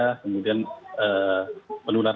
sehingga konsentrasi virusnya jadi rendah